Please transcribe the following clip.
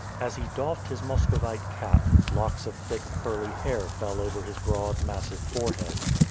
As he doffed his Muscovite cap, locks of thick curly hair fell over his broad, massive forehead.